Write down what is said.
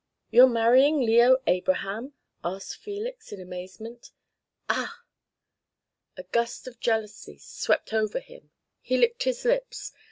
"You're marrying Leo Abraham?" asked Felix in amazement. "Ah!" A gust of jealousy swept over him. He licked his lips.